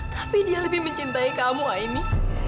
tapi dia lebih mencintai kamu ini